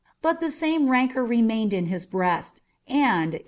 "birt the same rancour remained in his breast, and, in